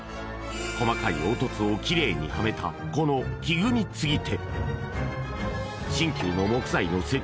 細かい凹凸をキレイにはめたこの木組み継手